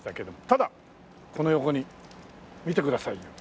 ただこの横に見てくださいよ。